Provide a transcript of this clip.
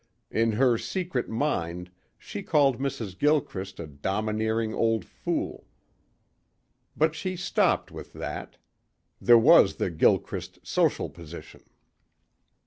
In her secret mind she called Mrs. Gilchrist a domineering old fool. But she stopped with that. There was the Gilchrist social position.